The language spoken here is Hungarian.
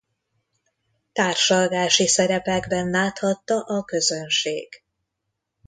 Társalgási szerepekben láthatta a közönség.